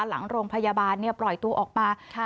หลังโรงพยาบาลปล่อยตัวออกมา